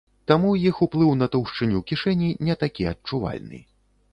Таму іх уплыў на таўшчыню кішэні не такі адчувальны.